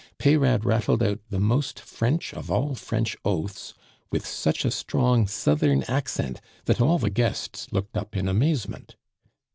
Peyrade rattled out the most French of all French oaths with such a strong Southern accent that all the guests looked up in amazement.